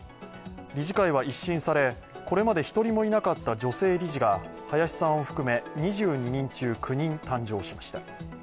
理事会は一新され、これまで一人もいなかった女性理事が林さんを含め２２人中９人誕生しました。